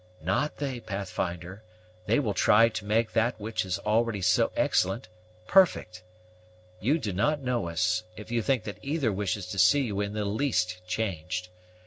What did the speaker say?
"Not they, Pathfinder; they will try to make that which is already so excellent, perfect. You do not know us, if you think that either wishes to see you in the least changed.